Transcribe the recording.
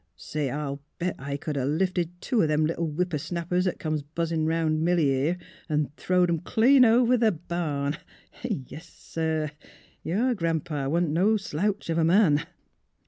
— Say, I'll bet I c'd 'a' lifted two o' them little whipper snappers 'at comes buzzin' round Milly, here, an' thro wed 'em clean over the barn. Yes, sir! Yer Gran 'pa wa'n't no slouch of a man."